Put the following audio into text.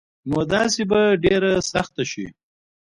نو داسي به ډيره سخته شي